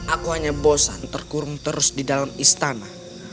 aku hanya bosan terkurung terus di dalam istana